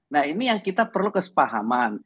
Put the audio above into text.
nah ini yang kita perlu kesepahaman